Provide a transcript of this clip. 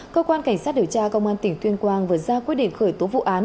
cơ quan cảnh sát điều tra công an tỉnh tuyên quang vừa ra quyết định khởi tố vụ án